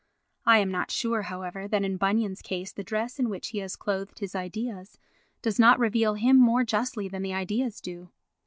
I am not sure, however, that in Bunyan's case the dress in which he has clothed his ideas does not reveal him more justly than the ideas do.